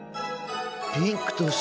ピンクと白。